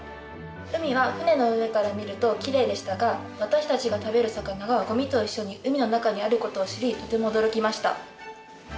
海は船の上から見るときれいでしたが私たちが食べる魚がゴミと一緒に海の中にあることを知りとても驚きました。